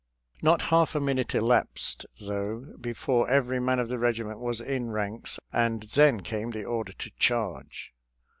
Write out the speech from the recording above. Not half a minute elapsed, though, before every man of the regiment was in ranks, and then came the order to charge.